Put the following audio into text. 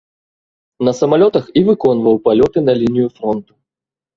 На самалётах і выконваў палёты на лінію фронту.